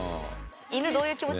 犬どういう気持ち？